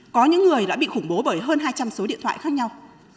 có những người đã bị khủng bố bởi hơn hai trăm linh số điện thoại khác nhau